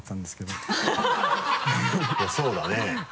いやそうだね。